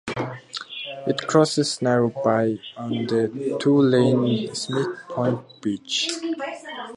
It crosses Narrow Bay on the two-lane Smith Point Bridge.